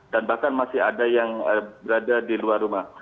dan bahkan masih ada yang berada di luar rumah